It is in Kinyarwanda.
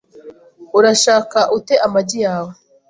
Urashaka ute amagi yawe?